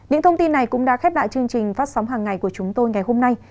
những thông tin này cũng đã khép lại chương trình phát sóng hàng ngày của chúng tôi ngày hôm nay